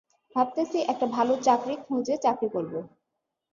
ভাবতেছি একটা ভালো চাকরি খোঁজে চাকরি করবো।